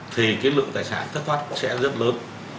thì cái lượng tài sản thất thoát sẽ rất lớn